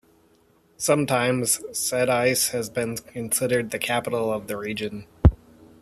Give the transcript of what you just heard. Sometimes, Siedlce has been considered the capital of the region.